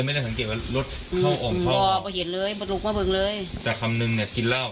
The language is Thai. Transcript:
และก็รับรับตัวพ่อตาแม่ยาย